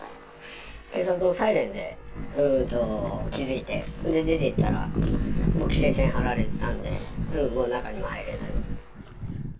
警察のサイレンで気付いて、出ていったら、もう規制線張られてたんで、中にも入れない。